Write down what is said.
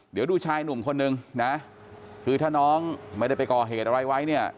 เดี๋ยวดูชายหนุ่มคนนึงนะคือถ้าน้องไม่ได้ไปก่อเหตุอะไรไว้เนี่ย